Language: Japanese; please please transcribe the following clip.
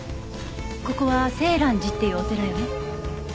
ここは静嵐寺っていうお寺よね？